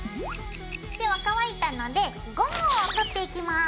では乾いたのでゴムを取っていきます。